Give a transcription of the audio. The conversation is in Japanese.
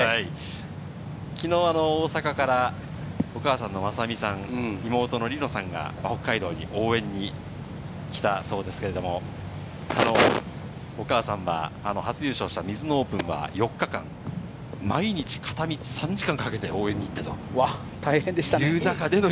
きのう大阪から、お母さんのまさみさん、妹のりのさんが北海道に応援に来たそうですけれども、お母さんは初優勝したミズノオープンは４日間、毎日片道３時間かけて応援に行ったということです。